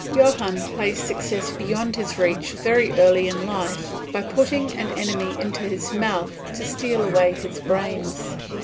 Johann placed success beyond his reach very early in life by putting an enemy into his mouth to steal away his brains.